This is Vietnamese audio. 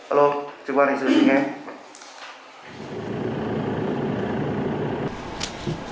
alo trưởng quan hành sự xin nghe